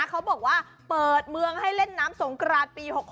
เขาบอกว่าเปิดเมืองให้เล่นน้ำสงกรานปี๖๖